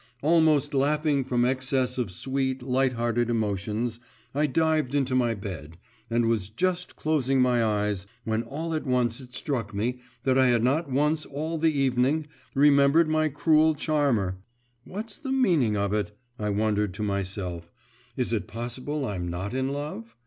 Almost laughing from excess of sweet, light hearted emotions, I dived into my bed, and was just closing my eyes, when all at once it struck me that I had not once all the evening remembered my cruel charmer.… 'What's the meaning of it?' I wondered to myself; 'is it possible I'm not in love?